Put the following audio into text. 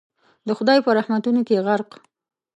د خدای په رحمتونو کي غرق